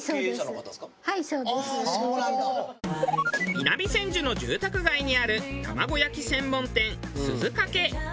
南千住の住宅街にある卵焼き専門店すずかけ。